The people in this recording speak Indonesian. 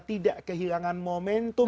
tidak kehilangan momentum